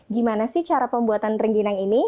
gimana sih cara pembuatan rengginang ini